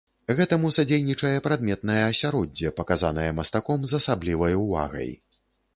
Гэтаму садзейнічае прадметнае асяроддзе, паказанае мастаком з асаблівай увагай.